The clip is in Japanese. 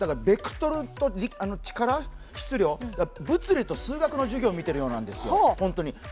ベクトルと力、質量だから物理と数学の授業を見てるようなんですよ、ホントに。